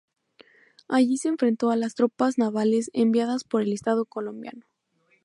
Allí se enfrentó a las tropas navales enviadas por el Estado colombiano.